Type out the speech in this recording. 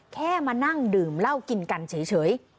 แค่มานั่งดื่มเหล้ากินกันเฉย